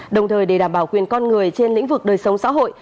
đồng thời để đảm bảo quyền con người trên lĩnh vực đời sống xã hội